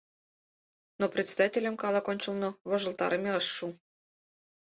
Но председательым калык ончылно вожылтарыме ыш шу.